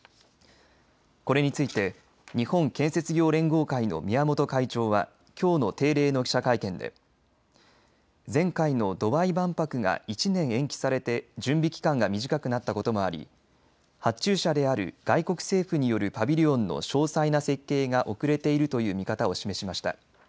これについて日本建設業連合会の宮本会長はきょうの定例の記者会見で前回のドバイ万博が１年延期されて準備期間が短くなったこともあり発注者である外国政府によるパビリオンの詳細な設計が遅れているという見方を示しました。